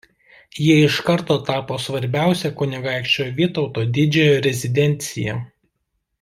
Ji iš karto tapo svarbiausia kunigaikščio Vytauto Didžiojo rezidencija.